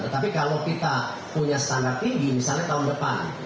tetapi kalau kita punya standar tinggi misalnya tahun depan